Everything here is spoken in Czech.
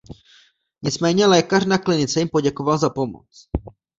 Nicméně lékař na klinice jim poděkoval za pomoc.